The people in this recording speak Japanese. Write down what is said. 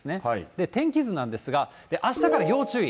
で、天気図なんですが、あしたから要注意。